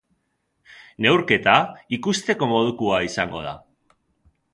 Neurketa ikusteko modukoa izango da.